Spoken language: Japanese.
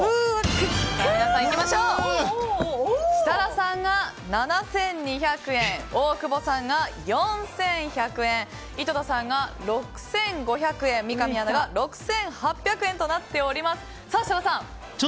設楽さんが７２００円大久保さんが４１００円井戸田さんが６５００円三上アナが６８００円となっております。